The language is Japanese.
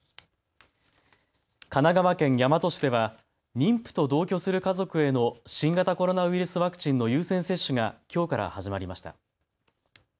神奈川県大和市では妊婦と同居する家族への新型コロナウイルスワクチンの優先接種がきょうから始まりました。